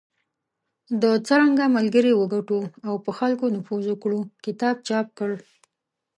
د"څرنګه ملګري وګټو او په خلکو نفوذ وکړو" کتاب چاپ کړ .